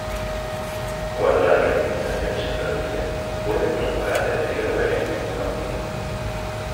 Cuando la precipitación se produce, puede provocar deterioro en el medio ambiente.